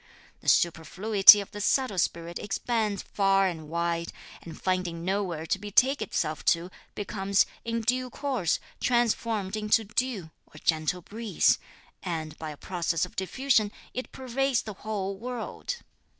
The superfluity of the subtle spirit expands far and wide, and finding nowhere to betake itself to, becomes, in due course, transformed into dew, or gentle breeze; and, by a process of diffusion, it pervades the whole world.